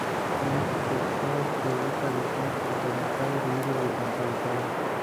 En ese sector se ubican distintos supermercados Líder y Santa Isabel.